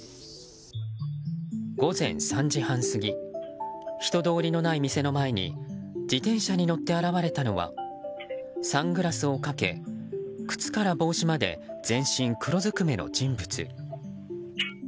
午前３時半過ぎ人通りのない店の前に自転車に乗って現れたのはサングラスをかけ靴から帽子まで全身黒ずくめの人物。